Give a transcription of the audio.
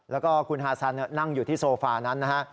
แล้วก็คุณฮาซันนั่งอยู่ที่โซฟานั้นนะฮะ